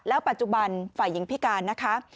ปัจจุบันฝ่ายหญิงพิการนะคะ